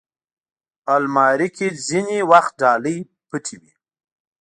الماري کې ځینې وخت ډالۍ پټ وي